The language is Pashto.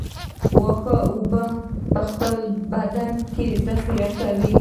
اوښ اوبه په خپل بدن کې ذخیره کوي